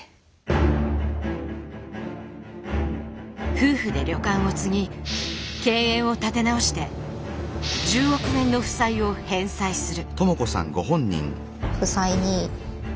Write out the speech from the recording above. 夫婦で旅館を継ぎ経営を立て直して１０億円の負債を返済する。